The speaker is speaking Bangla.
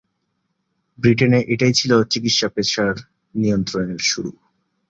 ব্রিটেনে এটাই ছিল চিকিৎসা পেশার নিয়ন্ত্রণের শুরু।